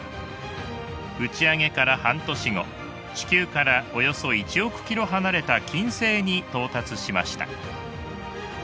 打ち上げから半年後地球からおよそ１億ｋｍ離れた金星に到達しました。